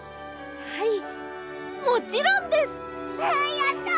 やった！